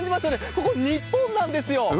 ここ、日本なんですよ。